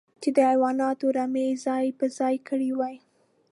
چې د حيواناتو رمې يې ځای پر ځای کړې وې.